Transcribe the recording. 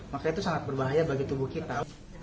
maka itu sangat berbahaya bagi tubuh kita